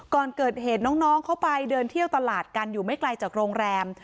ก่อนเกิดเหตุน้องเขาไปเดินเที่ยวตลาดกันอยู่ไม่ไกลจากโรงแรม